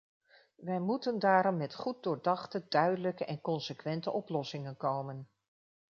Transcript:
Wij moeten daarom met goed doordachte, duidelijke en consequente oplossingen komen.